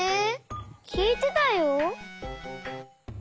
きいてたよ！